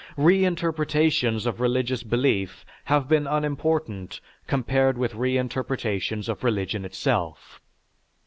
Reinterpretations of religious belief have been unimportant compared with reinterpretations of religion itself.